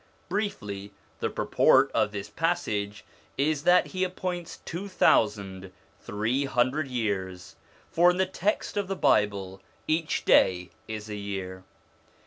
Briefly, the purport of this passage is that he appoints two thousand three hundred years, for in the text of the Bible each day is a year.